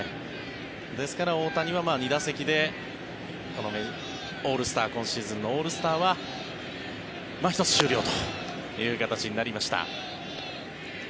ですから、大谷は２打席で今シーズンのオールスターは１つ終了という形になりました。